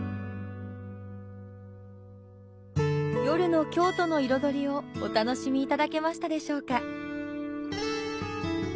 夜の京都の彩りをお楽しみいただけましたでしょうか。